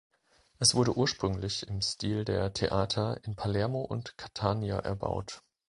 Es wurde ursprünglich im Stil der Theater in Palermo und Catania erbaut.